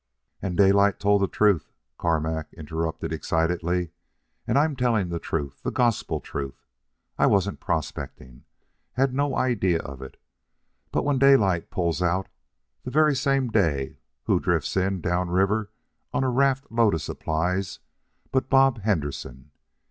"And Daylight told the truth," Carmack interrupted excitedly. "And I'm telling the truth, the gospel truth. I wasn't prospecting. Hadn't no idea of it. But when Daylight pulls out, the very same day, who drifts in, down river, on a raft load of supplies, but Bob Henderson.